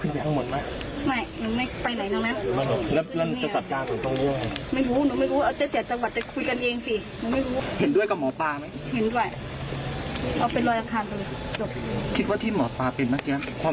ศื่อจรรย์สำนะจากฟาน่ากูหญิงศาว